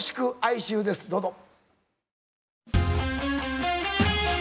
どうぞ。